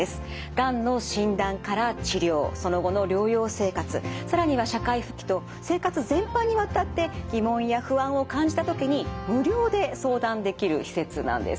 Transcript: がんの診断から治療その後の療養生活更には社会復帰と生活全般にわたって疑問や不安を感じた時に無料で相談できる施設なんです。